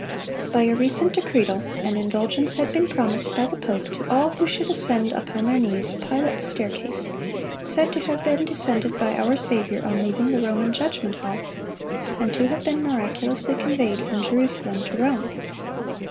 "(164) By a recent decretal, an indulgence had been promised by the pope to all who should ascend upon their knees "Pilate's staircase," said to have been descended by our Saviour on leaving the Roman judgment hall, and to have been miraculously conveyed from Jerusalem to Rome.